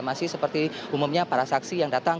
masih seperti umumnya para saksi yang datang